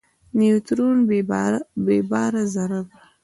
نیوترون بېباره ذره ده.